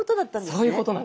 そういうことなんです。